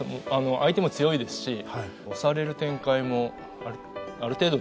相手も強いですし押される展開もある程度というか。